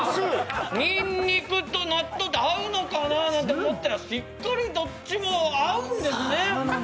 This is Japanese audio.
にんにくと納豆って合うのかなと思ったらしっかり、どっちも合うんですね。